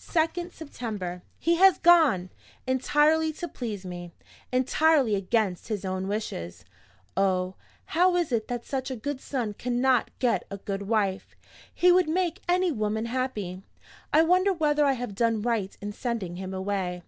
"2d September. He has gone! Entirely to please me entirely against his own wishes. Oh, how is it that such a good son cannot get a good wife! He would make any woman happy. I wonder whether I have done right in sending him away?